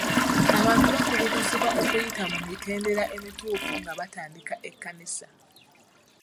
Abantu bakubirizibwa okuyita mu mitendera emituufu nga batandika ekkanisa,